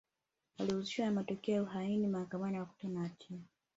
Walihusishwa na matukio ya uhaini Mahakamani wakakutwa na hatia